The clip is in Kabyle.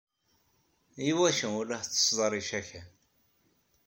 Iwacu ur tettetteḍ ara icakan?